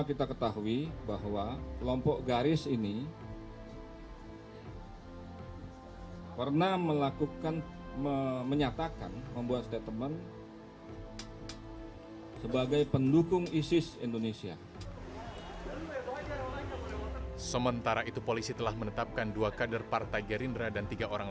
itu hari pertama